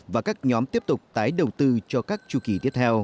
và các nhóm tiếp tục tái đầu tư cho các chu kỳ tiếp theo